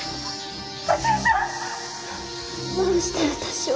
どうして私を？